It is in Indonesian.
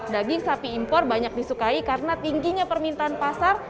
daging sapi impor banyak disukai karena tingginya permintaan pasar